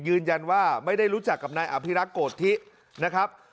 ยืนยันว่าไม่ได้รู้จักกับนายอภิรักษ์โกธินะครับ